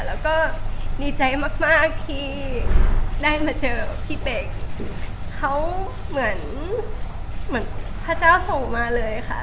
แล้วก็ดีใจมากมากที่ได้มาเจอพี่เป๊กเขาเหมือนเหมือนพระเจ้าส่งมาเลยค่ะ